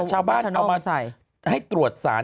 ชาวบ้านเอามาให้ตรวจสาร